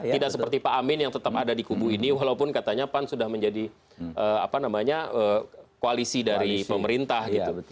tidak seperti pak amin yang tetap ada di kubu ini walaupun katanya pan sudah menjadi koalisi dari pemerintah gitu